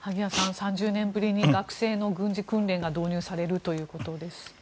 ３０年ぶりに学生の軍事訓練が導入されるということです。